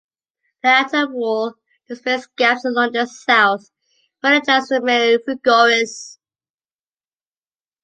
The outer wall displays gaps along the south where it joins the Mare Frigoris.